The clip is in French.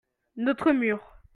notre mur.